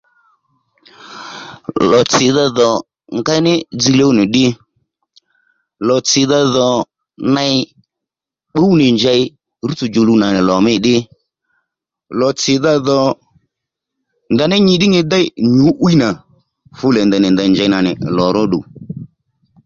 Lò tsìdha dhò ngéy nì dziylíy ó nì ddí lòtsìdha dhò ney bbúw nì njěy rútsò djòluw nà ní lò mî ddí lòtsì dha dhò ndaní nyi ddí nyi déy nyǔ'wiy nà fule ndèy nì ndèy njěy nà nì lò ró ddò